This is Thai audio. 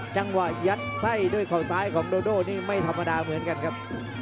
ยัดไส้ด้วยเขาซ้ายของโดโดนี่ไม่ธรรมดาเหมือนกันครับ